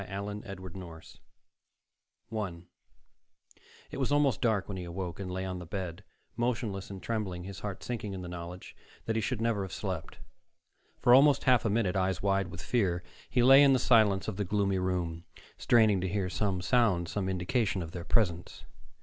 The Dark Door 1 It was almost dark when he awoke, and lay on the bed, motionless and trembling, his heart sinking in the knowledge that he should never have slept. For almost half a minute, eyes wide with fear, he lay in the silence of the gloomy room, straining to hear some sound, some indication of their presence.